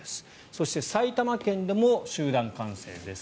そして埼玉県でも集団感染です。